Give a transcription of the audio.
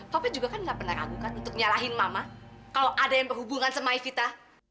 covid juga kan gak pernah ragukan untuk nyalahin mama kalau ada yang berhubungan sama evita